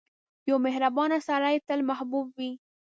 • یو مهربان سړی تل محبوب وي.